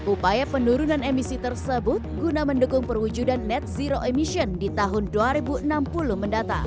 upaya penurunan emisi tersebut guna mendukung perwujudan net zero emission di tahun dua ribu enam puluh mendatang